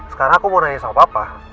sekarang aku mau nanya sama papa